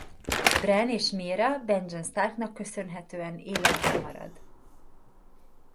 Bran és Meera Benjen Starknak köszönhetően életben marad.